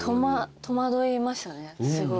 戸惑いましたねすごい。